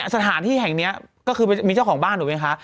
สถานที่แห่งนี้ก็คือมีเจ้าของบ้านถูกไหมคะ